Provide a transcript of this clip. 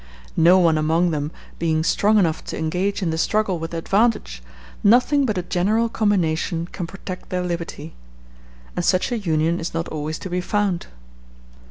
No one among them being strong enough to engage in the struggle with advantage, nothing but a general combination can protect their liberty. And such a union is not always to be found.